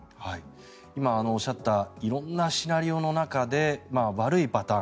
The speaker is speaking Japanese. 今、おっしゃった色んなシナリオの中で悪いパターン